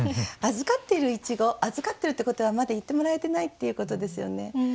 預かっている苺預かってるってことはまだ言ってもらえてないっていうことですよね。